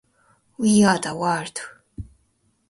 We are the world